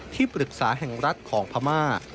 ที่ปรึกษาแห่งรัฐของพม่า